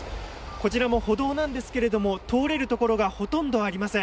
こちらも歩道なんですけれども通れる所がほとんどありません。